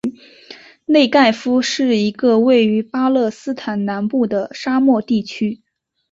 内盖夫是一个位于巴勒斯坦南部的沙漠地区。